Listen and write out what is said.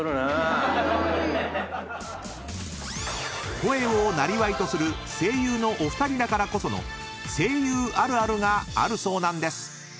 ［声をなりわいとする声優のお二人だからこその声優あるあるがあるそうなんです］